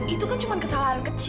itu kan cuma kesalahan kecil